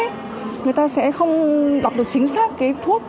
người ta sẽ không đọc được chính xác cái thuốc